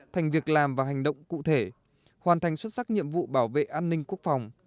thành việc làm và hành động cụ thể hoàn thành xuất sắc nhiệm vụ bảo vệ an ninh quốc phòng